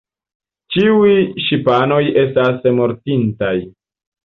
Ĉiuj ŝipanoj estas mortintaj.